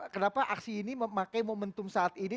kenapa aksi ini memakai momentum saat ini